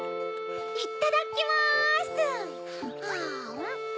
いただきます！